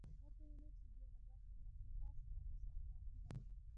وبه وینئ چې ډېره برخه یې د افریقا سترې صحرا کې ده.